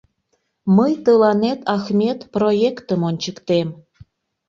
Мый тыланет, Ахмет, проектым ончыктем.